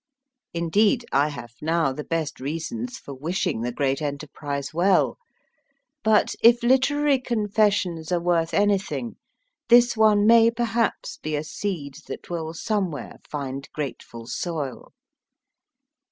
Indeed, I have now the best reasons for wishing the great enterprise well. But if literary confessions are worth any thing, this one may perhaps be a seed that will somewhere find grateful soil.